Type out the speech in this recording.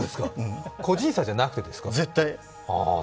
個人差じゃなくてですか？